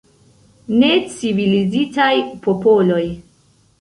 Necivilizitaj popoloj.